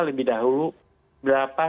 lebih dahulu berapa